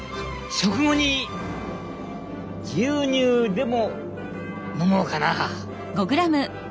食後に牛乳でも飲もうかな！